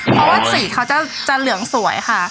เพราะว่าสีเขาจะเหลืองสวยค่ะ